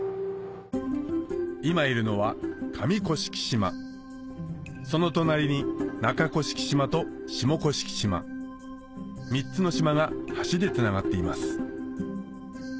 今いるのは上甑島その隣に中甑島と下甑島３つの島が橋でつながっています